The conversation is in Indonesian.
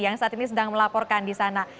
yang saat ini sedang melaporkan di sana